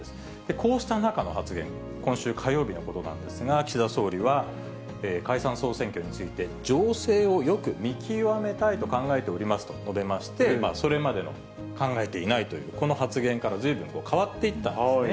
こうした中の発言、今週火曜日のことなんですが、岸田総理は解散・総選挙について、情勢をよく見極めたいと考えておりますと述べまして、それまでの考えていないというこの発言からずいぶんと変わっていったんですね。